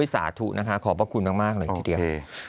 สาธุนะคะขอบพระคุณมากเลยทีเดียว